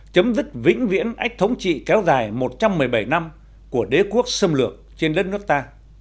chấm dứt vĩnh viễn ách thống trị kéo dài một trăm một mươi bảy năm của đế quốc xâm lược trên đất nước ta